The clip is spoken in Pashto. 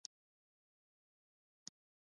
د پوزې د پولیت لپاره د مالګې اوبه وکاروئ